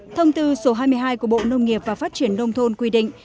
thông tư số hai mươi hai của bộ nông nghiệp và phát triển nông thôn quy định